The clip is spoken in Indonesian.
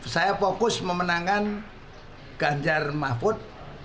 saya fokus memenangkan ganjar mahfud